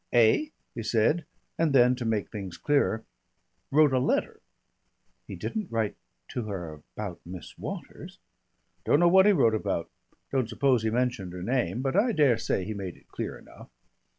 "Eh?" he said, and then to make things clearer: "Wrote a letter." "He didn't write to her about Miss Waters?" "Don't know what he wrote about. Don't suppose he mentioned her name, but I dare say he made it clear enough.